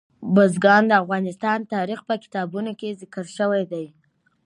بزګان د افغان تاریخ په کتابونو کې ذکر شوی دي.